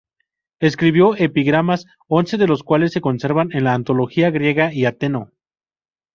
Escribió epigramas, once de los cuales se conservan en la "Antología griega" y Ateneo.